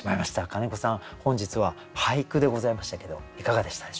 金子さん本日は俳句でございましたけどいかがでしたでしょうか？